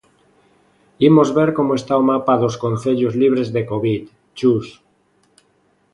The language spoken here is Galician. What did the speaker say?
Imos ver como está o mapa dos concellos libres de covid, Chus.